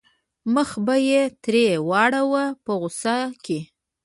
مخ به یې ترې واړاوه په غوسه کې.